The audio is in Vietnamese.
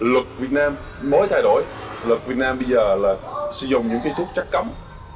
luật việt nam mới thay đổi luật việt nam bây giờ là sử dụng những cái thuốc chắc cẩm